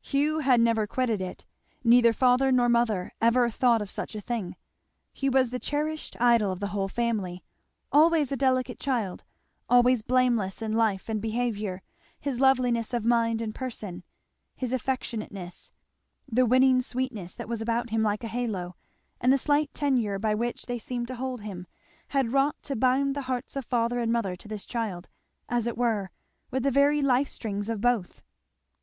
Hugh had never quitted it. Neither father nor mother ever thought of such a thing. He was the cherished idol of the whole family. Always a delicate child, always blameless in life and behaviour, his loveliness of mind and person, his affectionateness, the winning sweetness that was about him like a halo, and the slight tenure by which they seemed to hold him, had wrought to bind the hearts of father and mother to this child, as it were, with the very life strings of both.